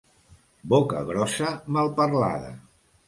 Boca grossa, malparlada.